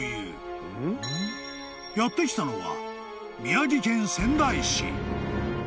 ［やって来たのは］